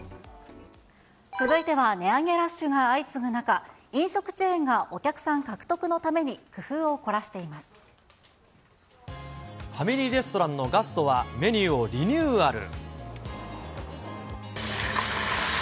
続いては、値上げラッシュが相次ぐ中、飲食チェーンがお客さん獲ファミリーレストランのガストは、メニューをリニューアル。